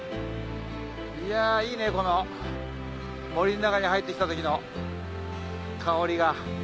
いやいいねこの森の中に入ってきた時の香りが。